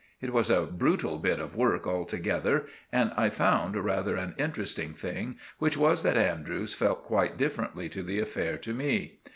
It was a brutal bit of work altogether, and I found rather an interesting thing, which was that Andrews felt quite differently to the affair to me.